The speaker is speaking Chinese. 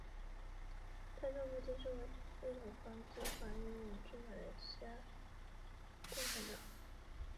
亨利县是美国印地安纳州东部的一个县。